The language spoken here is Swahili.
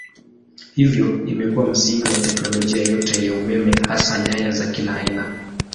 Hivyo imekuwa msingi wa teknolojia yote ya umeme hasa nyaya za kila aina.